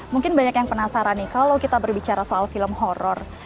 mungkin banyak yang penasaran nih kalau kita berbicara soal film horror